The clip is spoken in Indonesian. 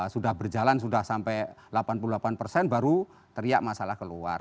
sudah berjalan sudah sampai delapan puluh delapan persen baru teriak masalah keluar